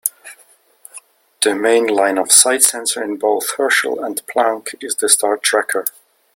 The main line-of-sight sensor in both "Herschel" and "Planck" is the star tracker.